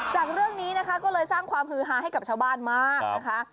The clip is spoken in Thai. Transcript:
จากเรื่องนี้นะคะก็เลยสร้างความฮือฮาให้กับชาวบ้านมากนะคะ